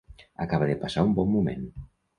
Acaba de passar un bon moment.